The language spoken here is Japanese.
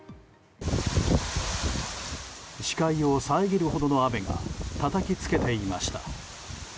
視界を遮るほどの雨がたたきつけていました。